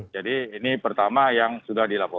jadi ini pertama yang sudah